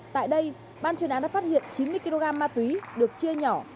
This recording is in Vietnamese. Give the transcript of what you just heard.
tại đây ban chuyên án đã phát hiện chín mươi kg ma túy được chia nhỏ